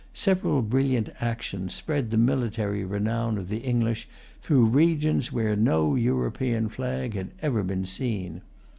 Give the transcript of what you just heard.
Several brilliant actions spread the military renown of the English through regions where no European flag had ever been seen.